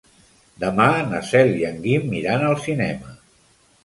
Demà na Cel i en Guim iran al cinema.